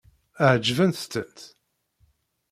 Ɛeǧbent-tent?